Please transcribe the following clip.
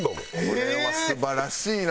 これは素晴らしいな！